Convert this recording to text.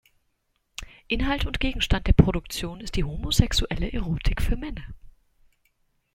Inhalt und Gegenstand der Produktionen ist die homosexuelle Erotik für Männer.